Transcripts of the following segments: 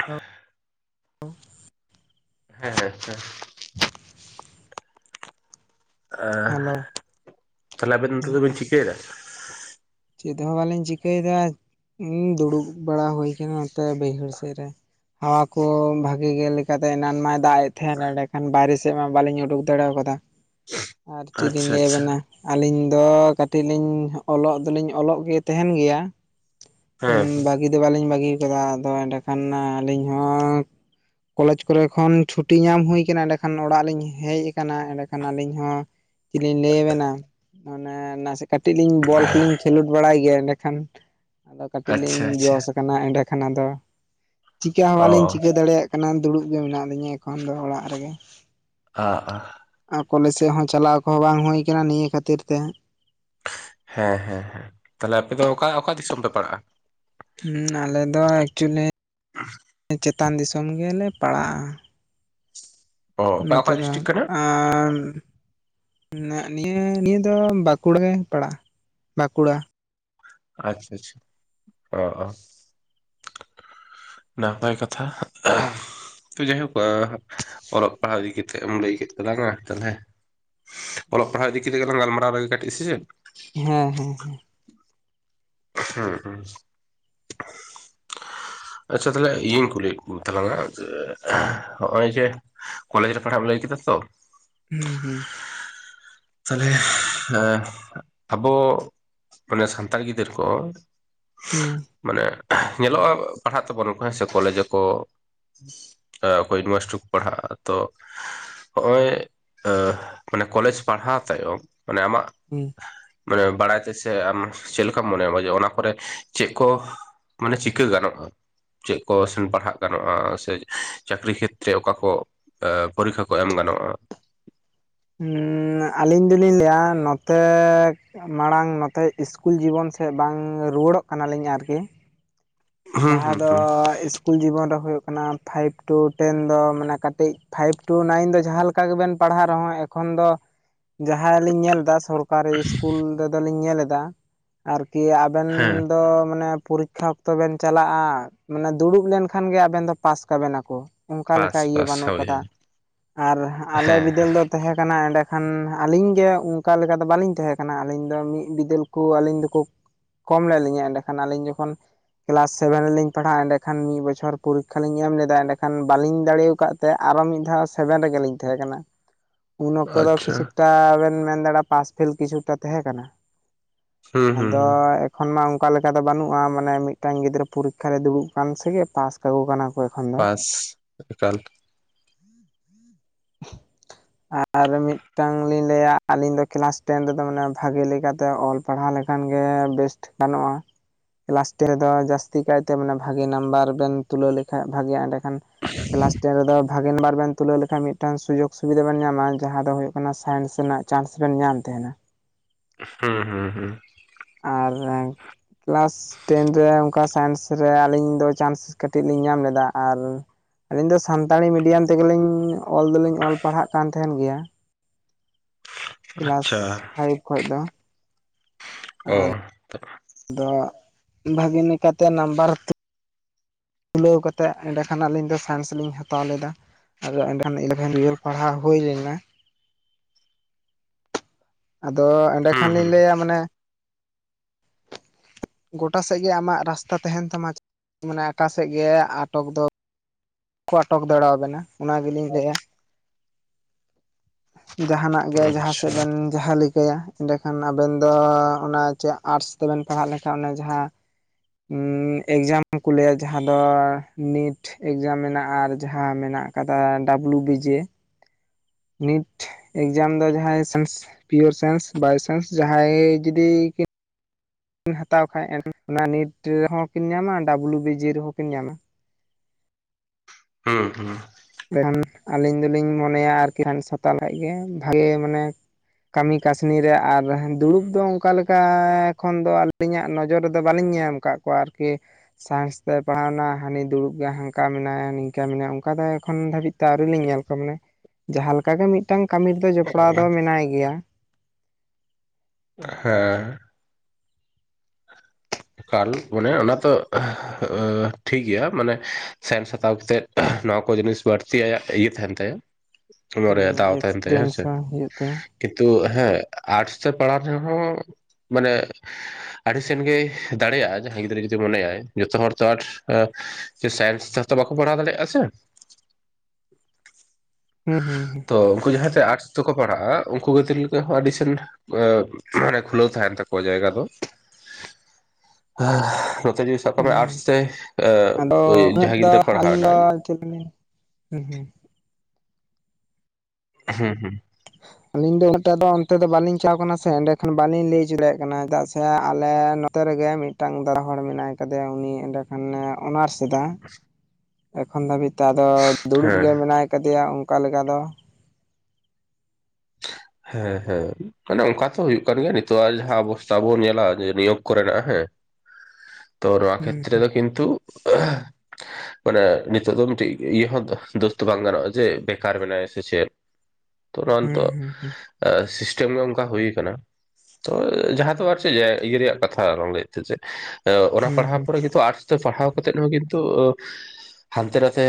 [inaudible] ᱦᱮᱸ [inaudible] ᱦᱮᱞᱳ [inaudible] ᱛᱟᱞᱮ ᱟᱵᱮᱱ ᱱᱤᱛᱚᱜ ᱫᱚ ᱵᱤᱱ ᱪᱤᱠᱟᱹᱭᱫᱟ? ᱪᱮᱫ ᱦᱚᱸ ᱵᱟᱹᱞᱤᱧ ᱪᱤᱠᱟᱹᱭ ᱫᱟ ᱮᱢᱱᱤ ᱫᱩᱲᱩᱵ ᱵᱟᱲᱟ ᱦᱩᱭ ᱠᱟᱱᱟ ᱱᱚᱛᱮ ᱵᱟᱹᱭᱦᱟᱹᱲ ᱥᱮᱜ ᱨᱮ᱾ ᱦᱟᱣᱟ ᱠᱚ ᱵᱷᱟᱜᱤ ᱜᱮ ᱞᱮᱠᱟᱛᱮ ᱮᱱᱟᱱ ᱢᱟᱭ ᱫᱟᱜ ᱮᱫ ᱛᱟᱦᱮᱫ ᱮᱸᱰᱮᱠᱷᱟᱱ ᱵᱟᱭᱨᱮ ᱥᱮᱫ ᱢᱟ ᱵᱟᱹᱞᱤᱧ ᱩᱰᱩᱠ ᱫᱟᱲᱮᱣ ᱠᱟᱫᱟ᱾ [unintelligible] ᱟᱨ ᱪᱮᱜ ᱞᱤᱧ ᱟᱪᱪᱷᱟ ᱞᱟᱹᱭ ᱟᱪᱪᱷᱟ ᱭᱟᱵᱤᱱᱟ ᱟᱹᱞᱤᱧ ᱫᱚ ᱠᱟᱹᱴᱤᱡ ᱞᱤᱧ ᱚᱞᱚᱜ ᱫᱚᱞᱤᱧ ᱚᱞᱚᱜ ᱜᱮ ᱛᱟᱦᱮᱱ ᱜᱮᱭᱟ ᱩᱸ ᱦᱮᱸ ᱵᱟᱛ ᱜᱤ ᱫᱚ ᱵᱟᱹᱞᱤᱧ ᱵᱟᱹᱜᱤᱣ ᱠᱟᱫᱟ ᱟᱫᱚ ᱮᱸᱰᱮᱠᱷᱟᱱ ᱟᱹᱞᱤᱧ ᱦᱚᱸ ᱠᱚᱞᱮᱡᱽ ᱠᱚᱨᱮ ᱠᱷᱚᱱ ᱪᱷᱩᱴᱤ ᱧᱟᱢ ᱦᱩᱭ ᱠᱟᱱᱟ ᱮᱸᱰᱮᱠᱷᱟᱱ ᱚᱲᱟᱜ ᱞᱤᱧ ᱦᱮᱡ ᱠᱟᱱᱟ ᱮᱸᱰᱮᱠᱷᱟᱱ ᱟᱹᱞᱤᱧ ᱦᱚᱸ ᱪᱮᱫ ᱞᱤᱧ ᱞᱟᱹᱭᱟᱵᱮᱴᱤᱱᱟ ᱢᱟᱱᱮ ᱱᱟᱥᱮ ᱠᱟᱹᱴᱤᱡ ᱞᱤᱧ ᱵᱚᱞ ᱠᱚᱞᱤᱧ ᱠᱷᱮᱞᱳ ᱵᱟᱲᱟᱭ ᱜᱮᱭᱟ ᱮᱸᱰᱮᱠᱷᱟᱱ ᱟᱫᱚ ᱠᱟᱹᱴᱤᱡ ᱞᱤᱧ ᱟᱪᱪᱷᱟ ᱟᱪᱪᱷᱟ ᱡᱚᱥ ᱠᱟᱱᱟ ᱮᱸᱰᱮᱠᱷᱟᱱ ᱟᱫᱚ ᱪᱤᱠᱟ ᱦᱚᱸ ᱵᱟᱞᱤᱧ ᱚ ᱪᱤᱠᱟᱹ ᱫᱟᱲᱮᱭᱟᱜ ᱠᱟᱱᱟ ᱫᱩᱲᱩᱵ ᱜᱮ ᱢᱮᱱᱟᱜ ᱞᱤᱧᱟ ᱮᱠᱷᱚᱱ ᱫᱚ ᱚᱲᱟᱜ ᱨᱮᱜᱮ᱾ ᱟᱸ ᱟᱸ᱾ ᱟᱨ ᱠᱚᱞᱮᱡᱽ ᱥᱮᱜ ᱦᱚᱸ ᱪᱟᱞᱟᱣ ᱠᱚᱦᱚᱸ ᱵᱟᱝ ᱦᱳᱭ ᱠᱟᱱᱟ ᱱᱤᱭᱟᱹ ᱠᱷᱟᱹᱛᱤᱨ ᱛᱮ᱾ ᱦᱮᱸ ᱦᱮᱸ ᱦᱮᱸ ᱛᱟᱞᱦᱮ ᱟᱯᱮ ᱫᱚ ᱚᱠᱟ ᱚᱠᱟ ᱫᱤᱥᱚᱢ ᱯᱮ ᱯᱟᱲᱟᱜᱼᱟ? ᱚᱸ ᱟᱞᱮ ᱫᱚ ᱮᱠᱪᱩᱞᱤ ᱪᱮᱛᱟᱱ ᱫᱤᱥᱚᱢ ᱜᱮᱞᱮ ᱯᱟᱲᱟᱜᱼᱟ᱾ ᱚ ᱚᱠᱟ ᱱᱚᱛᱮ ᱚᱠᱟ ᱫᱚ ᱰᱤᱥᱴᱤᱠ ᱠᱟᱱᱟ? ᱟᱱ ᱱᱟᱜ ᱱᱤᱭᱟᱹ ᱱᱤᱭᱟᱹ ᱫᱚ ᱵᱟᱸᱠᱩᱲᱟ ᱨᱮ ᱯᱟᱲᱟᱜᱼᱟ ᱵᱟᱸᱠᱩᱲᱟ᱾ ᱟᱪᱷᱟ ᱟᱪᱷᱟ ᱚ᱾ ᱱᱟᱯᱟᱭ ᱠᱟᱛᱷᱟ [unintelligible] ᱛᱚ ᱡᱟᱭᱦᱳᱠ ᱟ ᱚᱞᱚᱜ ᱯᱟᱲᱦᱟᱣ ᱤᱫᱤ ᱠᱟᱛᱮᱜ ᱮᱢ ᱞᱟᱹᱭ ᱠᱮᱫ ᱛᱟᱞᱟᱝᱟ ᱛᱟᱦᱟᱞᱮ ᱚᱞᱚᱜ ᱯᱟᱲᱦᱟᱣ ᱤᱫᱤ ᱠᱟᱛᱮᱫᱽ ᱜᱮᱞᱟᱝ ᱜᱟᱞᱟᱞᱢᱟᱨᱟᱣ ᱞᱮᱜᱮ ᱠᱟᱴᱤᱡ ᱥᱮ ᱪᱮᱫ? ᱦᱮᱸ ᱦᱮᱸ ᱦᱮᱸ᱾ ᱦᱚᱸ ᱦᱚᱸ᱾ ᱟᱪᱪᱷᱟ ᱛᱟᱦᱞᱮ ᱤᱧᱟᱹᱧ ᱠᱩᱞᱤᱮᱫ ᱢᱮ ᱛᱟᱞᱟᱝᱟ ᱦᱚᱜᱼᱚᱭ ᱡᱮ ᱠᱚᱞᱮᱡᱽ ᱨᱮ ᱯᱟᱲᱦᱟᱜ ᱮᱢ ᱞᱟᱹᱭ ᱠᱮᱫᱟ ᱛᱚ? ᱦᱩᱸ ᱦᱩᱸ᱾ ᱛᱟᱦᱟᱞᱮ ᱮᱸ ᱟᱵᱚ ᱵᱟᱞᱮ ᱥᱟᱱᱛᱟᱲ ᱜᱤᱫᱟᱹᱨᱟᱹ ᱠᱚ ᱦᱩᱸ᱾ ᱢᱟᱱᱮ ᱧᱮᱞᱚᱜᱼᱟ ᱯᱟᱲᱦᱟᱜ ᱛᱟᱵᱚᱱᱟ ᱠᱚ ᱦᱮᱸ ᱥᱮ ᱠᱚᱞᱮ ᱡᱟᱠᱚ ᱚᱠᱚᱭ ᱤᱭᱩᱱᱤᱵᱷᱟᱨᱥᱤᱴᱤ ᱠᱚ ᱯᱟᱲᱦᱟᱜᱼᱟ ᱛᱚ ᱦᱚᱸᱜᱼᱚᱭ ᱟᱹ ᱢᱟᱱᱮ ᱠᱚᱞᱮᱡᱽ ᱯᱟᱲᱦᱟᱣ ᱛᱟᱭᱚᱢ ᱢᱟᱱᱮ ᱟᱢᱟᱜ ᱦᱩᱸ᱾ ᱢᱟᱱᱮ ᱵᱟᱲᱟᱭ ᱛᱮᱥᱮ ᱟᱢ ᱪᱮᱫᱞᱮᱠᱟᱢ ᱢᱚᱱᱮᱭᱟ ᱚᱱᱟ ᱠᱚᱨᱮ ᱪᱮᱫ ᱠᱚ ᱢᱟᱱᱮ ᱪᱤᱠᱟᱹ ᱜᱟᱱᱚᱜᱼᱟ? ᱪᱮᱜ ᱠᱚ ᱥᱮ ᱯᱟᱲᱦᱟᱜ ᱜᱟᱱᱚᱜᱼᱟ ᱥᱮ ᱪᱟᱠᱨᱤ ᱠᱷᱮᱛᱨᱮ ᱚᱠᱟ ᱠᱚ ᱮᱸ ᱯᱚᱨᱤᱠᱠᱷᱟ ᱠᱚ ᱮᱢ ᱜᱟᱱᱚᱜᱼᱟ ᱾ ᱩᱸᱻ ᱟᱹᱞᱤᱧ ᱫᱚᱞᱤᱧ ᱞᱟᱹᱭᱟ ᱱᱚᱛᱮ ᱢᱟᱲᱟᱝ ᱱᱚᱛᱮ ᱤᱥᱠᱩᱞ ᱡᱤᱵᱚᱱ ᱥᱮᱫ ᱵᱟᱝ ᱨᱩᱣᱟᱹᱲᱚᱜ ᱠᱟᱱᱟᱞᱤᱧ ᱟᱨᱠᱤ ᱾ ᱦᱩᱸ ᱦᱩᱸ ᱡᱟᱦᱟᱸ ᱫᱚ ᱦᱩᱸ ᱤᱥ ᱠᱩᱞ ᱡᱤᱵᱚᱱ ᱨᱮ ᱦᱩᱭᱩᱜ ᱠᱟᱱᱟ ᱯᱷᱟᱭᱤᱵᱽ ᱴᱩ ᱴᱮᱱ ᱫᱚ ᱢᱟᱱᱮ ᱠᱟᱹᱴᱤᱡ ᱯᱷᱟᱭᱤᱵᱽ ᱴᱩ ᱱᱟᱭᱤᱱ ᱫᱚ ᱡᱟᱦᱟᱸ ᱞᱮ ᱠᱟ ᱜᱮᱵᱮᱱ ᱯᱟᱲᱦᱟᱣ ᱨᱮᱦᱚᱸ ᱮᱠᱷᱚᱱ ᱫᱚ ᱡᱟᱦᱟᱸ ᱞᱤᱧ ᱧᱮᱞ ᱫᱟ ᱥᱚᱨᱠᱟᱨᱤ ᱤᱥᱠᱩᱞ ᱨᱮᱫᱚᱞᱤᱧ ᱧᱮᱞᱮᱫᱟ ᱟᱨᱠᱤ ᱟᱵ ᱟᱵᱮᱱ ᱦᱮᱸ ᱫᱚ ᱢᱟᱱᱮ ᱯᱚᱨᱤᱠᱠᱷᱟ ᱛᱚᱵᱮᱢ ᱪᱟᱞᱟᱜᱼᱟ ᱢᱟᱱᱮ ᱫᱩᱲᱩᱵ ᱞᱮᱱᱠᱷᱟᱱ ᱜᱮ ᱟᱵᱮᱱ ᱫᱚ ᱯᱟᱥ ᱠᱟᱵᱮᱱᱟ ᱠᱚ ᱾ ᱚᱝᱠᱟ ᱯᱟᱥ ᱞᱮᱠᱟ ᱤᱭᱟᱹ ᱯᱟᱥ ᱵᱟᱹᱱᱩᱜ ᱦᱳᱭ ᱠᱟᱫᱟ ᱦᱳᱭ ᱟᱨ ᱟᱞᱮ ᱦᱮᱸ ᱵᱤᱫᱟᱹᱞ ᱫᱚ ᱛᱟᱦᱮᱸ ᱠᱟᱱᱟ ᱮᱸᱰᱮ ᱠᱷᱟᱱ ᱟᱹᱞᱤᱧ ᱜᱮ ᱚᱱᱠᱟ ᱞᱮᱠᱟ ᱫᱚ ᱵᱟᱹᱞᱤᱧ ᱛᱟᱦᱮᱸ ᱠᱟᱱᱟ ᱟᱹᱞᱤᱧ ᱫᱚ ᱢᱤᱫ ᱵᱤᱫᱟᱹᱞ ᱠᱚ ᱟᱹᱞᱤᱧ ᱫᱚᱠᱚ ᱠᱚᱢ ᱞᱮᱫ ᱞᱤᱧᱟᱹ ᱮᱸᱰᱮᱠᱷᱟᱱ ᱟᱹᱞᱤᱧ ᱡᱚᱠᱷᱚᱱ ᱠᱮᱞᱟᱥ ᱥᱮᱵᱷᱮᱱ ᱨᱮᱞᱤᱧ ᱯᱟᱲᱦᱟᱜ-ᱟ ᱮᱸᱰᱮᱠᱷᱟᱱ ᱢᱤᱫ ᱵᱚᱪᱷᱚᱨ ᱯᱚᱨᱤᱠᱷᱟ ᱞᱤᱧ ᱮᱢ ᱞᱮᱫᱟ ᱮᱸᱰᱮᱠᱷᱟᱱ ᱵᱟᱞᱤᱧ ᱫᱟᱲᱮ ᱟᱠᱟᱫ ᱛᱮ ᱟᱨᱚ ᱢᱤᱫ ᱫᱷᱟᱣ ᱥᱮᱵᱷᱮᱱ ᱨᱮᱜᱮᱞᱤᱧ ᱛᱟᱦᱮᱸ ᱠᱟᱱᱟ ᱾ ᱩᱱ ᱚᱠᱛᱚ ᱫᱚ ᱟᱪᱪᱷᱟ ᱠᱤᱪᱷᱩᱴᱟ ᱵᱮᱱ ᱢᱮᱱ ᱫᱟᱲᱮᱭᱟᱜ-ᱟ ᱯᱟᱥ ᱯᱷᱮᱞ ᱠᱤᱪᱷᱩᱴᱟ ᱛᱟᱦᱮᱸ ᱠᱟᱱᱟ ᱦᱩᱸ ᱾ ᱦᱩᱸ ᱟᱫᱚ ᱦᱩᱸ ᱮᱠᱷᱚᱱ ᱢᱟ ᱚᱱᱠᱟ ᱞᱮᱠᱟ ᱫᱚ ᱵᱟᱹᱱᱩᱜ-ᱟ ᱢᱟᱱᱮ- ᱢᱤᱫᱴᱟᱝ ᱜᱤᱫᱽᱨᱟᱹ ᱯᱚᱨᱤᱠᱷᱟ ᱨᱮ ᱫᱩᱲᱩᱵ ᱠᱟᱱ ᱥᱮᱜᱮ ᱯᱟᱥ ᱠᱟᱠᱚ ᱠᱟᱱᱟ ᱠᱚ ᱮᱠᱷᱚᱱ ᱫᱚ ᱯᱟᱥ [inaudible] ᱟᱨ ᱢᱤᱫᱴᱟᱝ ᱞᱤᱧ ᱞᱟᱹᱭᱟ ᱟᱞᱤᱧ ᱫᱚ ᱠᱮᱞᱟᱥ ᱴᱮᱱ ᱨᱮᱫᱚ ᱢᱟᱱᱮ ᱵᱷᱟᱜᱮ ᱞᱮᱠᱟᱛᱮ ᱚᱞ ᱯᱟᱲᱦᱟᱣ ᱞᱮᱠᱷᱟᱱ ᱜᱮ ᱵᱮᱥᱴ ᱜᱟᱱᱚᱜ-ᱟ ᱠᱮᱞᱟᱥ ᱛᱮᱫᱚ ᱡᱟᱹᱥᱛᱤ ᱠᱟᱭᱛᱮ ᱢᱟᱱᱮ ᱵᱷᱟᱜᱮ ᱱᱟᱢᱵᱟᱨ ᱵᱮᱱ ᱛᱩᱞᱟᱹᱣ ᱞᱮᱠᱷᱟᱡ ᱵᱷᱟᱜᱮᱜ-ᱟ ᱮᱸᱰᱮ ᱠᱷᱟᱱ ᱠᱮᱞᱟᱥ ᱴᱮᱱ ᱨᱮᱫᱚ ᱵᱷᱟᱜᱤ ᱱᱟᱢᱵᱟᱨ ᱵᱮᱱ ᱛᱩᱞᱟᱹᱣ ᱞᱮᱠᱷᱟᱡ ᱢᱤᱫᱴᱟᱝ ᱥᱩᱡᱳᱜᱽ ᱥᱩᱵᱤᱫᱷᱟ ᱵᱮᱱ ᱧᱟᱢᱟ ᱡᱟᱦᱟᱸ ᱫᱚ ᱦᱳᱭᱳᱜ ᱠᱟᱱᱟ ᱥᱟᱭᱮᱱᱥ ᱨᱮᱱᱟᱜ ᱪᱟᱱᱥ ᱵᱮᱱ ᱧᱟᱢ ᱛᱟᱦᱮᱱᱟ ᱾ ᱦᱩᱸ ᱦᱩᱸ ᱦᱩᱸ ᱟᱨ ᱠᱮᱞᱟᱥ ᱴᱮᱱ ᱨᱮ ᱚᱱᱠᱟ ᱥᱟᱭᱮᱱᱥ ᱨᱮ ᱟᱹᱞᱤᱧ ᱫᱚ ᱪᱟᱱᱥ ᱠᱟᱹᱴᱤᱡ ᱞᱤᱧ ᱧᱟᱢ ᱞᱮᱫᱟ ᱟᱨ ᱟᱹᱞᱤᱧ ᱫᱚ ᱥᱟᱱᱛᱟᱲᱤ ᱢᱤᱰᱤᱭᱟᱢ ᱛᱮᱜᱮᱞᱤᱧ ᱚᱞ ᱫᱚᱞᱤᱧ ᱚᱞ ᱯᱟᱲᱦᱟᱜ ᱠᱟᱱ ᱛᱟᱦᱮᱱ ᱜᱮᱭᱟ ᱾ ᱠᱮᱞᱟᱥ ᱟᱪᱪᱷᱟ ᱯᱷᱟᱭᱤᱵᱷ ᱠᱷᱚᱡ ᱫᱚ ᱚ ᱟᱨ ᱫᱚ ᱵᱷᱟᱹᱜᱤ ᱞᱮᱠᱟᱛᱮ ᱱᱟᱢᱵᱟᱨ ᱛᱩᱞᱟᱹᱣ ᱠᱟᱛᱮᱫ ᱮᱸᱰᱮ ᱠᱷᱟᱱ ᱟᱹᱞᱤᱧ ᱫᱚ ᱥᱟᱭᱮᱱᱥ ᱞᱤᱧ ᱦᱟᱛᱟᱣ ᱞᱮᱫᱟ ᱾ ᱟᱫᱚ ᱮᱱᱰᱮᱸᱠᱷᱟᱱ ᱤᱞᱮᱵᱷᱮᱱ ᱨᱤᱭᱮᱞ ᱯᱟᱲᱦᱟᱣ ᱦᱩᱭ ᱞᱮᱱᱟ ᱾ ᱟᱫᱚ ᱮᱸᱰᱮ ᱦᱩᱸ ᱠᱷᱟᱱᱞᱤᱧ ᱦᱩᱸ ᱞᱟᱹᱭᱟ ᱢᱟᱱᱮ ᱜᱚᱴᱟ ᱥᱮᱫ ᱜᱮ ᱟᱢᱟᱜ ᱨᱟᱥᱛᱟ ᱛᱟᱦᱮᱱ ᱛᱟᱢᱟ ᱢᱟᱱᱮ ᱟᱠᱟ ᱥᱮᱫ ᱜᱮ ᱟᱴᱚᱠ ᱫᱚ ᱠᱚ ᱟᱴᱚᱠ ᱫᱟᱲᱮᱣᱟᱵᱮᱱᱟ ᱚᱱᱟ ᱜᱮᱞᱤᱧ ᱞᱟᱹᱭᱟ- ᱡᱟᱦᱟᱱᱟᱜ ᱜᱮ ᱡᱟᱦᱟᱸ ᱟᱪᱪᱷᱟ ᱥᱮᱫ ᱵᱮᱱ ᱡᱟᱦᱟᱸ ᱞᱮᱠᱟᱹᱭᱟ ᱮᱸᱰᱮᱠᱷᱟᱱ ᱟᱵᱮᱱ ᱫᱚ ᱚᱱᱟ ᱡᱟ ᱟᱨᱴᱥ ᱛᱮᱵᱮᱱ ᱯᱟᱲᱦᱟᱜ ᱞᱮᱱᱠᱷᱟᱱ ᱚᱱᱮ ᱡᱟᱦᱟᱸ ᱮᱠᱡᱟᱢ ᱠᱚ ᱞᱟᱹᱭᱟ ᱡᱟᱦᱟᱸ ᱫᱚ ᱱᱤᱴ ᱮᱠᱡᱟᱢ ᱢᱮᱱᱟᱜ-ᱟ ᱟᱨ ᱡᱟᱦᱟᱸ ᱢᱮᱱᱟᱜ ᱟᱠᱟᱫᱟ ᱰᱟᱵᱞᱩ ᱵᱤ ᱡᱮ ᱱᱤᱴ ᱮᱠᱡᱟᱢ ᱫᱚ ᱡᱟᱦᱟᱸᱭ ᱥᱟᱭᱮᱱᱥ ᱯᱤᱭᱳᱨ ᱥᱟᱭᱮᱱᱥ ᱵᱟᱭᱥᱮᱱᱥ ᱡᱟᱦᱟᱸᱭ ᱡᱩᱫᱤ ᱠᱤᱱ ᱠᱤᱱ ᱦᱟᱛᱟᱣ ᱠᱷᱟᱱ ᱚᱱᱟ ᱱᱮᱴ ᱨᱮᱦᱚᱸ ᱠᱤᱱ ᱧᱟᱢᱟ ᱰᱟᱵᱞᱩ ᱵᱤ ᱡᱤ ᱨᱮᱦᱚᱸ ᱠᱤᱱ ᱧᱟᱢᱟ ᱾ ᱦᱮᱸ ᱦᱮᱸ᱾ ᱟᱹᱞᱤᱧ ᱫᱚᱞᱤᱧ ᱢᱚᱱᱮᱭᱟ ᱟᱨᱠᱤ [unintelligible] ᱜᱮ ᱵᱷᱟᱜᱮ ᱢᱟᱱᱮ ᱠᱟᱹᱢᱤ ᱠᱟᱹᱥᱱᱤ ᱨᱮ ᱟᱨ ᱫᱩᱲᱩᱵ ᱫᱚ ᱚᱱᱠᱟ ᱞᱮᱠᱟ ᱚᱠᱟ ᱠᱷᱚᱱ ᱫᱚ ᱟᱹᱞᱤᱧᱟᱜ ᱱᱚᱡᱚᱨ ᱨᱮᱫᱚ ᱵᱟᱹᱞᱤᱧ ᱧᱟᱢ ᱟᱠᱟᱫ ᱠᱚᱣᱟ ᱟᱨᱠᱤ᱾ ᱥᱟᱭᱮᱱᱥ ᱛᱮ ᱯᱟᱲᱦᱟᱣᱱᱟ ᱦᱟᱹᱱᱤ ᱫᱩᱲᱩᱵ ᱜᱮᱭ ᱦᱟᱱᱠᱟ ᱢᱮᱱᱟᱭᱟ ᱱᱤᱝᱠᱟ ᱢᱮᱱᱟᱭᱟ ᱚᱱᱠᱟ ᱫᱚ ᱮᱠᱷᱚᱱ ᱫᱷᱟᱹᱵᱤᱡ ᱛᱮ ᱟᱹᱣᱨᱤ ᱞᱤᱧ ᱧᱮᱞ ᱠᱚᱣᱟ ᱢᱟᱱᱮ ᱡᱟᱦᱟᱸ ᱞᱮᱠᱟ ᱜᱮ ᱢᱤᱫᱴᱟᱝ ᱠᱟᱹᱢᱤ ᱨᱮᱫᱚ ᱡᱚᱯᱲᱟᱣ ᱫᱚ ᱢᱮᱱᱟᱭ ᱜᱮᱭᱟ᱾ ᱦᱮᱸ ᱠᱟᱞ ᱢᱟᱱᱮ ᱚᱱᱟ ᱛᱚ ᱴᱷᱤᱠ ᱜᱮᱭᱟ ᱢᱟᱱᱮ ᱥᱟᱭᱮᱱ ᱦᱟᱛᱟᱣ ᱠᱟᱛᱮᱫ᱾ ᱱᱚᱣᱟ ᱠᱚ ᱡᱤᱱᱤᱥ ᱵᱟᱹᱲᱛᱤ ᱟᱭᱟᱜ ᱤᱭᱟᱹ ᱛᱟᱦᱮᱱ ᱛᱟᱭᱟ᱾ ᱱᱚᱣᱟ ᱨᱮ ᱦᱩᱸ ᱫᱟᱣ ᱛᱟᱦᱮᱱ ᱛᱟᱭᱟ ᱦᱮ ᱮᱠᱥᱯᱨᱤᱭᱮᱱᱥ ᱸᱥᱮ᱾ ᱦᱚᱸ ᱦᱩᱭᱩᱜ ᱛᱟᱭᱟ ᱠᱤᱱᱛᱩ ᱦᱮᱸ ᱟᱨᱴᱥ ᱛᱮ ᱯᱟᱲᱦᱟᱣ ᱨᱮᱦᱚᱸ ᱢᱟᱱᱮ ᱟᱹᱰᱤ ᱥᱮᱱ ᱜᱮ ᱫᱟᱲᱮᱭᱟᱜᱼᱟ ᱡᱟᱦᱟᱸᱭ ᱜᱤᱫᱽᱨᱟᱹ ᱡᱩᱫᱤ ᱢᱚᱱᱮᱭᱟᱭ ᱡᱚᱛᱚ ᱦᱚᱲ ᱛᱚ ᱟᱨᱴᱥ ᱥᱟᱭᱮᱱᱥ ᱛᱚ ᱵᱟᱠᱚ ᱯᱟᱲᱦᱟᱣ ᱫᱟᱲᱮᱭᱟᱜᱼᱟ ᱥᱮ᱾ [inaudible] ᱦᱩᱸ ᱦᱩᱸ ᱦᱩᱸ᱾ ᱛᱚ ᱩᱱᱠᱩ ᱡᱟᱦᱟᱸᱛᱮ ᱟᱨᱴᱥ ᱛᱮᱠᱚ ᱯᱟᱲᱦᱟᱜᱼᱟ ᱩᱱᱠᱩ [unintelligible] ᱦᱚᱸ ᱟᱹᱰᱤ ᱥᱮᱱ ᱮᱻ ᱢᱟᱱᱮ ᱠᱷᱩᱞᱟᱹᱣ ᱛᱟᱦᱮᱱ ᱛᱟᱠᱚᱣᱟ ᱡᱟᱭᱜᱟ ᱫᱚ᱾ ᱱᱚᱛᱮ ᱡᱩᱫᱤ ᱥᱟᱵ ᱠᱟᱜ ᱢᱮ ᱟᱨᱴᱥ ᱛᱮ ᱟᱫᱚ ᱩᱱᱟᱹᱜ ᱡᱟᱦᱟᱸᱭ ᱫᱚ ᱜᱤᱫᱽᱨᱟᱹ ᱯᱟᱲᱦᱟᱣ ᱟᱹᱞᱤᱧ ᱮᱱᱟᱭ [unintelligible] ᱦᱩᱸ ᱦᱩᱸ᱾ ᱦᱮᱸ ᱦᱮᱸ᱾ ᱟᱹᱞᱤᱧ ᱫᱚ [unintelligible] ᱫᱚ ᱚᱱᱛᱮ ᱫᱚ ᱵᱟᱞᱤᱧ ᱪᱟᱞᱟᱣ ᱟᱠᱟᱱᱟ ᱥᱮ ᱮᱸᱰᱮ ᱠᱷᱚᱱ ᱵᱟᱞᱤᱧ ᱞᱟᱹᱭ ᱚᱪᱚ ᱫᱟᱲᱭᱟᱜ ᱠᱟᱱᱟ ᱪᱮᱫᱟᱜ ᱥᱮ ᱟᱞᱮ ᱱᱚᱛᱮ ᱨᱮᱜᱮ ᱢᱤᱫᱴᱟᱝ ᱫᱟᱫᱟ ᱦᱚᱲ ᱢᱮᱱᱟᱭ ᱟᱠᱟᱫᱮᱭᱟ ᱩᱱᱤ ᱚᱸᱰᱮ ᱠᱷᱚᱱᱮ ᱚᱱᱟᱨᱥ ᱮᱫᱟ᱾ [inaudible] [inaudible] ᱮᱠᱷᱚᱱ ᱫᱷᱟᱹᱵᱤᱡ ᱛᱮ ᱟᱫᱚ ᱫᱩᱲᱩᱵ ᱦᱮᱸ ᱜᱮ ᱢᱮᱱᱟᱭ ᱠᱟᱫᱮᱭᱟ ᱚᱱᱠᱟ ᱞᱮᱠᱟ ᱫᱚ᱾ ᱦᱮᱸ ᱦᱮᱸ᱾ ᱢᱟᱱᱮ ᱚᱱᱠᱟ ᱛᱚ ᱦᱩᱭᱩᱜ ᱠᱟᱱ ᱜᱮᱭᱟ ᱱᱤᱛᱚᱜ ᱟᱜ ᱡᱟᱦᱟᱸ ᱚᱵᱚᱥᱛᱟ ᱵᱚᱱ ᱧᱮᱞᱟ ᱡᱮ ᱱᱤᱭᱜᱽ ᱠᱚᱨᱮᱱᱟᱜ ᱦᱮᱸ᱾ ᱛᱚ ᱱᱚᱣᱟ ᱦᱩᱸ ᱠᱷᱮᱛᱨᱮ ᱫᱚ ᱠᱤᱱᱛᱩ ᱢᱟᱱᱮ ᱱᱤᱛᱚᱜ ᱫᱚ ᱢᱤᱫᱴᱤᱡ ᱤᱭᱟᱹ ᱦᱚᱸ ᱫᱳᱥᱫᱚ ᱵᱟᱝ ᱜᱟᱱᱚᱜᱼᱟ ᱡᱮ ᱵᱮᱠᱟᱨ ᱢᱮᱱᱟᱭᱟ ᱥᱮ ᱪᱮᱫ? ᱛᱚ ᱱᱚᱣᱟ ᱦᱩᱸ ᱱᱤᱛᱚᱜ ᱦᱩᱸ ᱦᱩᱸ ᱥᱤᱥᱴᱮᱢ ᱜᱮ ᱚᱱᱠᱟ ᱦᱩᱭ ᱟᱠᱟᱱᱟ᱾ ᱛᱚ ᱡᱟᱦᱟᱸ ᱫᱚ ᱟᱨ ᱪᱮᱫ ᱤᱭᱟᱹ ᱨᱮᱭᱟᱜ ᱠᱟᱛᱷᱟ ᱞᱟᱝ ᱞᱟᱹᱭᱮᱫ ᱛᱮ ᱪᱮᱫ ᱡᱮ ᱚᱱᱟ ᱯᱟᱲᱦᱟᱣ ᱯᱚᱨᱮ ᱜᱮᱛᱚ ᱟᱨᱴᱥ ᱯᱟᱲᱦᱟᱣ ᱠᱟᱛᱮᱫ ᱦᱚᱸ ᱠᱤᱱᱛᱩ ᱦᱟᱱᱛᱮ ᱱᱟᱛᱮ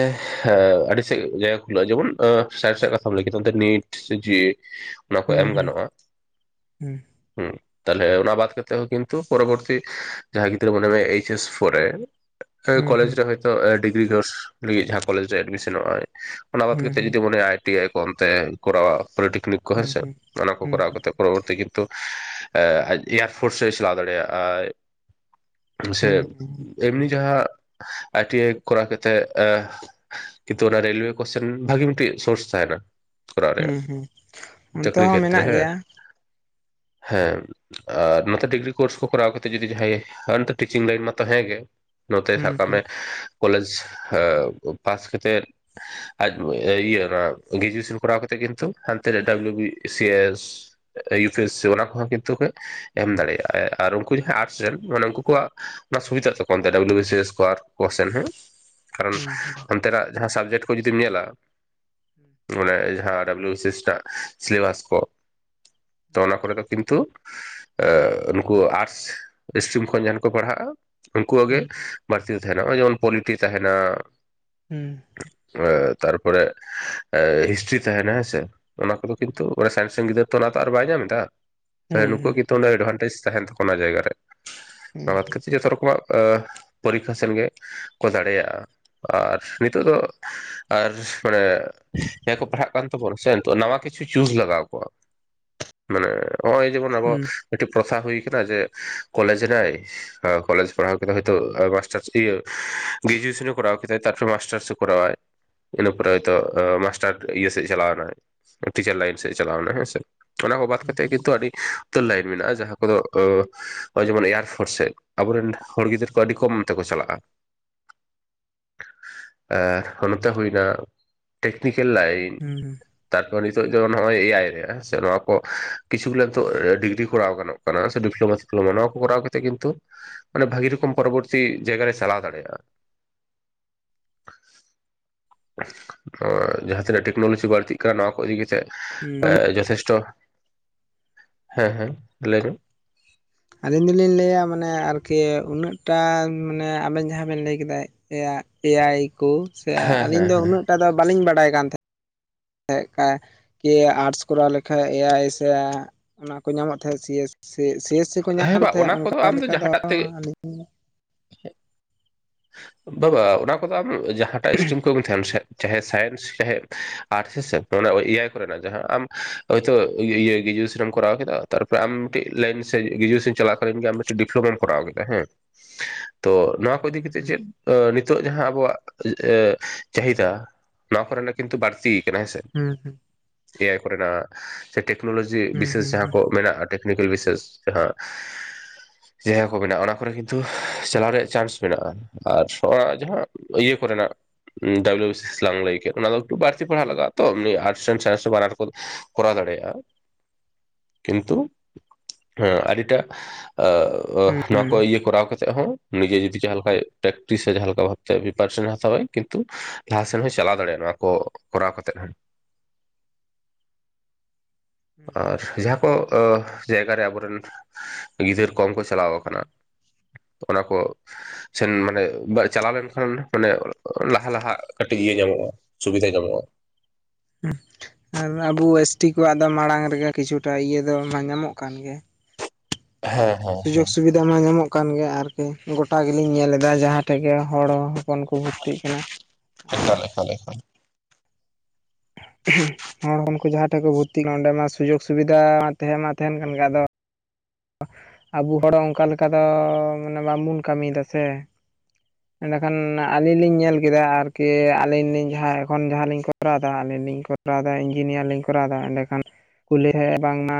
ᱟᱹᱰᱤ ᱥᱮᱫ ᱡᱟᱭᱜᱟ ᱠᱷᱩᱞᱟᱹᱜᱼᱟ ᱡᱮᱢᱚᱱ ᱥᱟᱭᱮᱱᱥ ᱟᱜ ᱠᱟᱛᱷᱟᱢ ᱞᱟᱹᱭ ᱠᱮᱫᱟ ᱚᱱᱛᱮ ᱱᱤᱴ ᱡᱤ ᱚᱱᱟ ᱠᱚ ᱦᱩᱸ ᱮᱢ ᱦᱩᱸ ᱦᱩᱸ ᱜᱟᱱᱚᱜᱼᱟ ᱦᱮᱸ᱾ ᱛᱟᱦᱚᱞᱮ ᱚᱱᱟ ᱵᱟᱫ ᱠᱟᱛᱮᱜ ᱦᱚᱸ ᱠᱤᱱᱛᱩ ᱯᱚᱨᱚᱵᱚᱨᱛᱤ ᱡᱟᱦᱟᱸ ᱜᱤᱫᱽᱨᱟᱹ ᱢᱚᱱᱮ ᱢᱮ ᱮᱭᱤᱪ ᱮᱥ [unintelligible] ᱨᱮ ᱦᱩᱸ ᱦᱩᱸ ᱠᱚᱞᱮᱡ ᱦᱩᱸ ᱨᱮ ᱦᱚᱭᱛᱚ ᱰᱤᱜᱽᱨᱤ ᱠᱳᱨᱥ ᱞᱟᱹᱜᱤᱫ ᱡᱟᱦᱟᱸ ᱠᱚᱞᱮᱡ ᱨᱮ ᱮᱰᱢᱤᱥᱚᱱᱚᱜ ᱟᱭ ᱚᱱᱟ ᱦᱩᱸ ᱦᱩᱸ ᱦᱩᱸ ᱦᱩᱸ ᱦᱩᱸ ᱵᱟᱫ ᱠᱟᱛᱮᱫ ᱦᱩᱸ ᱡᱩᱫᱤ ᱢᱚᱱᱮ ᱟᱭ ᱟᱭ ᱴᱤ ᱟᱭ ᱠᱚ ᱚᱱᱛᱮ ᱠᱚᱨᱟᱣᱟ ᱯᱚᱞᱤᱴᱮᱠᱱᱤᱠ ᱠᱚ ᱦᱮᱸᱥᱮ ᱦᱩᱸ ᱚᱱᱟ ᱠᱚ ᱠᱚᱨᱟᱣ ᱠᱟᱛᱮ ᱯᱚᱨᱚᱵᱚᱨᱛᱤ ᱠᱤᱱᱛᱩ ᱟᱡ ᱮᱭᱟᱨ ᱯᱷᱳᱨᱥ ᱮ ᱪᱟᱞᱟᱣ ᱫᱟᱲᱮᱭᱟᱜᱼᱟ᱾ ᱥᱮ ᱮᱢᱱᱤ ᱡᱟᱦᱟᱸ ᱟᱭ ᱴᱤ ᱟᱭ ᱠᱚᱨᱟᱣ ᱠᱟᱛᱮᱫ ᱠᱤᱱᱛᱩ ᱚᱱᱟ ᱨᱮᱞᱚᱭᱮ ᱠᱚᱥᱮᱱ ᱵᱷᱟᱜᱤ ᱢᱤᱫᱴᱤᱡ ᱥᱳᱨᱥ ᱛᱟᱦᱮᱱᱟ᱾ ᱠᱚᱨᱟᱣ ᱦᱩᱸ ᱨᱮᱭᱟᱜ ᱦᱩᱸ ᱚᱱᱟᱛᱮ ᱪᱟᱹᱠᱨᱤ ᱦᱚᱸ ᱠᱷᱮᱛᱨᱮ ᱢᱮᱱᱟᱜ ᱦᱮᱸ ᱜᱮᱭᱟ᱾ ᱦᱮᱸ ᱟᱨ ᱱᱚᱛᱮ ᱰᱤᱜᱽᱨᱤ ᱠᱳᱨᱥ ᱠᱚ ᱠᱚᱨᱟᱣ ᱠᱟᱛᱮᱜ ᱡᱚᱫᱤ ᱡᱟᱦᱟᱸ [unintelligible] ᱢᱟᱛᱚ ᱦᱮᱸᱜᱮ᱾ ᱱᱚᱛᱮ ᱥᱟᱵ ᱦᱩᱸ ᱠᱟᱜ ᱦᱩᱸ ᱢᱮ ᱠᱚᱞᱮᱡᱽ ᱯᱟᱥ ᱠᱟᱛᱮᱫ᱾ ᱟᱨ ᱤᱭᱟᱹ ᱚᱱᱟ ᱜᱨᱮᱡᱩᱭᱮᱥᱚᱱ ᱠᱚᱨᱟᱣ ᱠᱟᱛᱮᱫ ᱜᱮ ᱠᱤᱱᱛᱩ ᱦᱟᱱᱛᱮ ᱨᱮ W B C S [unintelligible] M ᱫᱟᱲᱮᱭᱟᱜ ᱟᱭ ᱟᱨ ᱩᱱᱠᱩ ᱡᱟᱦᱟᱸᱭ ᱟᱨᱴᱥ ᱨᱮᱱ ᱢᱟᱱᱮ ᱩᱱᱠᱩ ᱠᱚᱣᱟᱜ ᱚᱱᱟ ᱥᱩᱵᱤᱫᱷᱟ ᱛᱟᱠᱚᱶᱟ ᱛᱚᱱᱛᱮ ᱰᱟᱵᱞᱩ ᱵᱥ ᱥᱤ ᱮᱥ [unintelligible] ᱦᱮᱸ ᱠᱟᱨᱚᱱ ᱦᱩᱸ ᱱᱮᱛᱟᱨᱟᱜ ᱡᱟᱦᱟᱸ ᱥᱟᱵᱡᱮᱠᱴ ᱠᱚ ᱡᱩᱫᱤᱢ ᱧᱮᱞᱟ ᱚᱱᱮ ᱡᱟᱦᱟᱸ W B C S syllabus ᱠᱚ ᱛᱚ ᱚᱱᱟ ᱠᱚᱨᱮ ᱫᱚ ᱠᱤᱱ ᱛᱩ ᱮᱻ ᱩᱱᱠᱩ ᱟᱨᱴᱥ ᱥᱴᱨᱤᱢ ᱠᱷᱚᱱ ᱡᱟᱦᱟᱸ ᱠᱚ ᱯᱟᱲᱦᱟᱜᱼᱟ ᱩᱱᱠᱩᱣᱟᱜ ᱜᱮ ᱦᱩᱸ ᱦᱩᱸ ᱦᱩᱸ ᱵᱟᱹᱲᱛᱤ ᱛᱟᱦᱮ ᱱᱟ ᱱᱚᱜᱼᱚᱭ ᱡᱮᱢᱚᱱ ᱯᱚᱞᱤᱴᱤ ᱛᱟᱦᱮᱱᱟ ᱦᱮᱸ ᱛᱟᱨᱯᱚᱨᱮ ᱦᱤᱥᱴᱨᱤ ᱛᱟᱦᱮᱱᱟ ᱦᱮᱸᱥᱮ ᱚᱱᱟ ᱠᱚᱫᱚ ᱠᱤᱱᱛᱩ ᱚᱱᱮ ᱥᱟᱭᱮᱱᱥ ᱜᱤᱫᱟᱹᱨ ᱛᱚ ᱚᱱᱟ ᱛᱚ ᱟᱨ ᱵᱟᱭ ᱧᱟᱢᱮᱫᱟ ᱛᱟᱦᱚᱞᱮ ᱦᱩᱸ ᱱᱩᱠᱩᱣᱟᱜ ᱦᱩᱸ ᱠᱤᱱᱛᱩ ᱦᱩᱸ ᱮᱰᱵᱷᱟᱱᱴᱮᱡ ᱛᱟᱦᱮᱱ ᱛᱟᱠᱚᱣᱟ ᱚᱱᱟ ᱡᱟᱭᱜᱟ ᱨᱮ ᱚᱱᱟ ᱦᱮᱸ ᱵᱟᱫ ᱠᱟᱛᱮ ᱡᱚᱛᱚ ᱨᱚᱠᱚᱢᱟᱜ ᱯᱳᱨᱤᱠᱷᱟ ᱥᱮᱱ ᱜᱮ ᱠᱚ ᱫᱟᱲᱮᱭᱟᱜᱼᱟ ᱟᱨ ᱱᱤᱛᱚᱜ ᱫᱚ ᱟᱨ ᱢᱟᱱᱮ ᱡᱟᱦᱟᱸᱭ ᱠᱚ ᱯᱟᱲᱦᱟᱜ ᱠᱟᱱ ᱛᱟᱵᱚᱱᱟ ᱥᱮ ᱱᱤᱛᱚᱜ ᱱᱟᱣᱟ ᱠᱤᱪᱷᱩ ᱪᱩᱡᱽ ᱞᱟᱜᱟᱣ ᱟᱠᱚᱣᱟ ᱾ ᱢᱟᱱᱮ ᱚ ᱚᱭ ᱡᱮᱢᱚᱱ ᱟᱵᱚ ᱦᱩᱸ ᱢᱤᱴᱤᱡ ᱯᱨᱚᱛᱷᱟ ᱦᱩᱭ ᱠᱟᱱᱟ ᱡᱮ ᱠᱚᱞᱡᱽ ᱨᱮ ᱠᱚᱞᱮᱡᱽ ᱯᱟᱲᱟᱦᱟᱣ ᱠᱟᱛᱮ ᱦᱚᱭᱛᱳ ᱢᱟᱥᱴᱟᱨᱥ ᱤᱭᱟᱹ ᱜᱨᱡᱩᱮᱥᱚᱱ ᱮ ᱠᱳᱨᱟᱣ ᱠᱮᱫᱟ ᱛᱟᱭᱯᱚᱨ ᱢᱟᱥᱴᱟᱨᱥ ᱮ ᱠᱚᱨᱟᱣ ᱟᱭ ᱤᱱᱟ ᱯᱚᱨᱮ ᱦᱚᱭᱛᱚ ᱢᱟᱥᱴᱟᱨ ᱤᱭᱟᱹ ᱥᱮᱫ ᱪᱟᱞᱟᱣᱮᱱᱟᱭ ᱴᱤᱪᱟᱨ ᱞᱟᱭᱤᱱ ᱥᱮᱫ ᱮ ᱪᱟᱞᱟᱣᱱᱟ ᱦᱮᱸᱥᱮ ᱚᱱᱟ ᱠᱚ ᱵᱟᱫ ᱠᱟᱛᱮᱜ ᱠᱤᱱᱛᱩ ᱟᱹᱰᱤ ᱩᱛᱟᱨ ᱞᱟᱭᱤᱱ ᱢᱮᱱᱟᱜᱼᱟ ᱡᱟᱦᱟᱸ ᱠᱚᱫᱚ ᱡᱮᱢᱚᱱ ᱮᱭᱟᱨ ᱯᱷᱳᱨᱥ ᱥᱮᱫ ᱟᱵᱚᱨᱮᱱ ᱦᱚᱲ ᱜᱤᱫᱟᱹᱨ ᱠᱚ ᱟᱹᱰᱤ ᱠᱚᱢ ᱚᱱᱛᱮ ᱠᱚ ᱪᱟᱞᱟᱜᱼᱟ᱾ ᱟ ᱚᱱᱟᱛᱮ ᱦᱩᱭᱱᱟ ᱴᱮᱠᱱᱤᱠᱮᱞ ᱞᱟᱭᱤᱱ᱾ ᱦᱩᱸ ᱦᱩᱸ᱾ ᱛᱟᱨᱯᱚᱨ ᱱᱤᱛᱚᱜ ᱫᱚ ᱱᱚᱜᱼᱚᱭ ᱮ ᱟᱭ ᱨᱮ ᱦᱮᱱᱟᱜ-ᱟ ᱦᱮᱥᱮ ᱱᱚᱣᱟ ᱠᱤᱪᱷᱩᱜᱩᱞᱟ ᱱᱤᱛᱚᱜ ᱰᱤᱜᱽᱨᱤ ᱠᱚᱨᱟᱣ ᱜᱟᱱᱚᱜ᱾ ᱥᱮ ᱰᱤᱯᱞᱳᱢᱟ ᱯᱷᱤᱞᱳᱢᱟ ᱱᱚᱣᱟ ᱠᱚ ᱠᱚᱨᱟᱣ ᱠᱟᱛᱮ ᱠᱤᱱᱛᱩ ᱢᱟᱱᱮ ᱵᱷᱟᱹᱜᱤ ᱨᱚᱠᱚᱢ ᱯᱚᱨᱚᱵᱚᱨᱛᱤ ᱡᱟᱭᱜᱟᱨ ᱨᱮ ᱪᱟᱞᱟᱣ ᱫᱟᱲᱮᱭᱟᱜᱼᱟ᱾ ᱦᱳᱭ ᱡᱟᱦᱟᱸᱛᱤᱱᱟᱹᱜ ᱴᱮᱠᱱᱚᱞᱳᱜᱤ ᱵᱟᱹᱲᱛᱤᱜ ᱠᱟ ᱱᱚᱣᱟ ᱠᱚ ᱤᱫᱤ ᱠᱟᱛᱮᱜ ᱦᱩᱸ ᱡᱚᱛᱷᱮᱥᱴᱚ ᱦᱮᱸ ᱦᱮᱸ ᱞᱟᱹᱭ ᱢᱮ᱾ ᱟᱹᱞᱤᱧ ᱫᱚᱞᱤᱧ ᱞᱟᱹᱭᱟ ᱢᱟᱱᱮ ᱟᱨᱠᱤ ᱩᱱᱟᱹᱜᱴᱟ ᱢᱟᱱᱮ ᱟᱵᱮᱱ ᱡᱟᱦᱟᱸ ᱵᱮᱱ ᱞᱟᱹᱭ ᱠᱮᱫᱟᱭ᱾ ᱮᱭᱟᱜ ᱮ ᱟᱭ ᱠᱚ ᱥᱮ ᱦᱮᱸ ᱟᱹᱞᱤᱧ ᱦᱮᱸ ᱫᱚ ᱦᱮᱸ ᱩᱱᱟᱹᱜᱴᱟ ᱫᱚ ᱵᱟᱹᱞᱤᱧ ᱵᱟᱰᱟᱭ ᱛᱟᱦᱮ ᱠᱮ ᱟᱨᱴᱥ ᱠᱚᱨᱟᱣ ᱞᱮᱠᱷᱟᱡ ᱮ ᱟᱭ ᱥᱮ ᱚᱱᱟ ᱠᱚ ᱧᱟᱢᱚᱜ ᱛᱟᱦᱮᱸᱜ C S C S C ᱠᱚ ᱦᱮᱸ ᱧᱟᱢᱮᱫ ᱵᱟ ᱛᱟᱦᱮᱸᱜ ᱚᱱᱟ ᱠᱚᱫᱚ ᱚᱱᱠᱟ ᱟᱢ ᱞᱮᱠᱟ ᱫᱚ ᱡᱟᱦᱟᱸᱴᱟᱜ ᱛᱮ ᱟᱹᱞᱤᱧ ᱵᱟᱵᱟ ᱚᱱᱟ ᱠᱚᱫᱚ ᱟᱢ ᱡᱟᱦᱟᱸᱴᱟᱜ ᱥᱴᱨᱤᱢ ᱠᱚᱢ ᱛᱟᱦᱮᱱ ᱥᱮ ᱪᱟᱦᱮ ᱥᱟᱭᱮᱱᱥ ᱪᱟᱦᱮ ᱟᱨᱴᱥ ᱦᱮ ᱥᱮ ᱚᱱᱟ ᱮ ᱟᱭ ᱠᱚᱨᱮᱱᱟᱜ ᱡᱟᱦᱟᱸ ᱟᱢ ᱦᱳᱭᱛᱳ ᱤᱭᱟᱹ ᱤᱭᱟᱹ ᱜᱨᱮᱡᱩᱭᱮᱥᱚᱱ ᱠᱚᱨᱟᱣ ᱠᱮᱫᱟ ᱛᱟᱨᱯᱚᱨᱮ ᱟᱢ ᱢᱤᱫᱴᱮᱱ ᱞᱟᱭᱤᱱ ᱥᱮ ᱜᱨᱮᱡᱩᱭᱮᱥᱚᱱ ᱪᱟᱞᱟᱣ ᱠᱟᱞᱤᱱ ᱜᱮ ᱟᱢ ᱢᱤᱫᱴᱮᱱ ᱰᱤᱯᱞᱳᱢᱟᱢ ᱠᱚᱨᱟᱣ ᱠᱮᱫᱟ ᱦᱮᱸ᱾ ᱛᱚ ᱱᱚᱣᱟ ᱠᱚ ᱤᱫᱤ ᱠᱟᱛᱮᱜ ᱪᱮᱫ ᱚ ᱱᱤᱛᱚᱜ ᱡᱟᱦᱟᱸ ᱟᱵᱚᱣᱟᱜ ᱮ ᱪᱟᱦᱤᱫᱟ ᱱᱚᱣᱟ ᱠᱚᱨᱮᱱᱟᱜ ᱠᱤᱱᱛᱩ ᱵᱟᱹᱲᱛᱤᱭ ᱠᱟᱱᱟ ᱦᱮᱸᱥᱮ᱾ ᱦᱩᱸ ᱦᱩᱸ᱾ ᱮ ᱟᱭ ᱠᱚᱨᱮᱱᱟᱜ ᱥᱮ ᱴᱮᱠᱱᱳᱞᱚᱡᱤ ᱵᱤᱥᱮᱥ ᱡᱟᱦᱟᱸ ᱠᱚ ᱢᱮᱱᱟᱜ-ᱟ᱾ ᱴᱮᱠᱱᱤᱠᱮᱞ ᱵᱤᱥᱮᱥ ᱡᱟᱦᱟᱸ ᱡᱟᱦᱟᱸ ᱠᱚ ᱢᱮᱱᱟᱜᱼᱟ ᱚᱱᱟ ᱠᱚᱨᱮ ᱠᱤᱱᱛᱩ ᱪᱟᱞᱟᱣ ᱨᱮᱭᱟᱜ ᱪᱟᱱᱥ ᱢᱮᱱᱟᱜᱼᱟ ᱟᱨ ᱡᱟᱦᱟᱸ ᱤᱭᱟᱹ ᱠᱚᱨᱮᱱᱟᱜ ᱩᱸ ᱰᱟᱵᱞᱤᱭᱩ ᱵᱤᱥᱤᱥ ᱞᱟᱝ ᱞᱟᱹᱭ ᱠᱮᱫ᱾ ᱚᱱᱟ ᱫᱚ ᱮᱠᱴᱩ ᱵᱟᱹᱲᱛᱤ ᱯᱟᱲᱦᱟᱜ ᱞᱟᱜᱟᱜ-ᱟ ᱛᱚ ᱮᱢᱱᱤ ᱟᱨᱴᱥ ᱨᱮᱱ ᱥᱟᱭᱮᱱᱥ ᱨᱮ ᱵᱟᱱᱟᱨ ᱠᱚ ᱠᱚᱨᱟᱣ ᱫᱟᱲᱮᱭᱟᱜᱼᱟ᱾ ᱠᱤᱱᱛᱩ ᱦᱚᱸ ᱟᱹᱰᱤᱴᱟᱜ ᱟ ᱚᱦ ᱱᱚᱣᱟ ᱠᱚ ᱤᱭᱟᱹ ᱠᱚᱨᱟᱣ ᱠᱟᱛᱮᱜ ᱦᱚᱸ ᱩᱱᱤ ᱜᱮ ᱡᱩᱫᱤ ᱡᱟᱦᱟᱸ ᱞᱮᱠᱟᱭ ᱯᱨᱮᱠᱴᱤᱥ ᱥᱮ ᱡᱟᱦᱟᱸ ᱞᱮᱠᱟ ᱵᱷᱟᱵᱛᱮ ᱯᱨᱤᱯᱟᱨᱮᱥᱮᱱ ᱦᱟᱛᱟᱣᱟᱭ ᱠᱤᱱᱛᱩ ᱞᱟᱦᱟᱥᱮᱫ ᱦᱚᱸᱭ ᱪᱟᱞᱟᱣ ᱫᱟᱲᱮᱭᱟᱜᱼᱟ ᱱᱚᱣᱟ ᱠᱚᱨᱟᱣ ᱠᱟᱛᱮᱫ ᱦᱚᱸ᱾ ᱟᱨ ᱡᱟᱦᱟᱸ ᱠᱚ ᱟᱦ ᱡᱟᱭᱜᱟᱨᱮ ᱟᱵᱚᱨᱮᱱ ᱜᱤᱫᱟᱹᱨ ᱠᱚᱢ ᱠᱚ ᱪᱟᱞᱟᱣ ᱟᱠᱟᱱᱟ ᱚᱱᱟ ᱠᱚ ᱥᱮᱱ ᱢᱟᱱᱮ ᱵᱟ ᱪᱟᱞᱟᱣ ᱞᱮᱱᱠᱷᱟᱱ ᱢᱟᱱᱮ ᱞᱟᱦᱟ ᱞᱟᱦᱟ ᱠᱟᱹᱴᱤᱡ ᱤᱭᱟᱹ ᱧᱟᱢᱚᱜᱼᱟ᱾ ᱥᱩᱵᱤᱫᱷᱟ ᱧᱟᱢᱚᱜ-ᱟ᱾ ᱟᱨ ᱟᱵᱚ ᱮᱥ ᱴᱤ ᱠᱚᱣᱟᱜ ᱫᱚ ᱢᱟᱲᱟᱝ ᱨᱮᱜᱮ ᱠᱤᱪᱷᱩᱴᱟ ᱤᱭᱟᱹ ᱫᱚ ᱢᱟ ᱧᱟᱢᱚᱜ ᱠᱟᱱ ᱜᱮ᱾ ᱦᱮᱸ᱾ ᱦᱮᱸ ᱥᱩᱡᱳᱜ ᱦᱮᱸ ᱥᱩᱵᱤᱫᱷ ᱛᱮᱢᱟ ᱧᱟᱢᱚᱜ ᱠᱟᱱ ᱜᱮᱭᱟ ᱟᱨᱠᱤ ᱜᱚᱴᱟ ᱜᱮᱞᱤᱧ ᱧᱮᱞᱮᱫᱟ ᱡᱟᱦᱟᱸᱭ ᱴᱷᱮᱱ ᱜᱮ ᱦᱚᱲ ᱦᱚᱯᱚᱱ ᱠᱚ ᱵᱷᱚᱛᱤᱜ ᱠᱟᱱᱟ᱾ ᱮᱠᱟᱞ ᱟᱨ ᱮᱠᱟᱞ ᱮᱠᱟᱞ᱾ ᱦᱚᱲ ᱦᱚᱯᱳᱱ ᱠᱚ ᱡᱟᱦᱟᱸ ᱴᱷᱮᱱ ᱠᱚ ᱵᱷᱩᱨᱛᱤᱜ ᱱᱟ ᱚᱸᱰᱮ ᱢᱟ ᱥᱩᱡᱳᱜᱽ ᱥᱩᱵᱤᱫᱟ ᱛᱟᱦᱮᱸ ᱢᱟ ᱛᱟᱦᱮᱱ ᱠᱟᱱ ᱜᱮ ᱟᱫᱚ ᱟᱵᱩ ᱦᱚᱲ ᱚᱱᱠᱟ ᱞᱮᱠᱟ ᱫᱚ ᱢᱟᱱᱮ ᱵᱟᱸᱝᱵᱩᱱ ᱠᱟᱹᱢᱤᱭᱮᱫᱟ ᱥᱮ᱾ [inaudible] ᱮᱸᱰᱮᱠᱷᱟᱱ ᱟᱹᱞᱤᱧ ᱞᱤᱧ ᱧᱮᱞ ᱠᱮᱫᱟ ᱟᱨᱠᱤ ᱟᱹᱞᱤᱧ ᱞᱤᱧ ᱡᱟᱦᱟᱸ ᱮᱠᱷᱚᱱ ᱡᱟᱦᱟᱸᱞᱤᱧ ᱠᱚᱨᱟᱣ ᱮᱫᱟ ᱟᱹᱞᱤᱧ ᱞᱤᱧ ᱠᱚᱨ ᱠᱚᱨᱟᱣᱫᱟ ᱤᱧᱡᱤᱱᱤᱭᱟᱨᱞᱤᱧ ᱠᱚᱨᱟᱣ ᱮᱫᱟ ᱮᱸᱰᱮᱠᱷᱟᱱ ᱠᱩᱞᱤ ᱦᱮ ᱵᱟᱝᱢᱟ